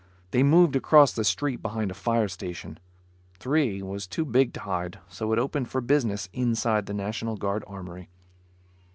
They moved across the street behind a fire station. Three was too big to hide, so it opened for business inside the National Guard Armory.